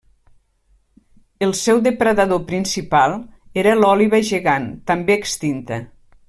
El seu depredador principal era l'òliba gegant, també extinta.